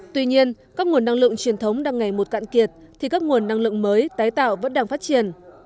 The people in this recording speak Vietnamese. tuy nhiên các nguồn năng lượng truyền thống đang ngày một cạn kiệt thì các nguồn năng lượng mới tái tạo vẫn đang phát triển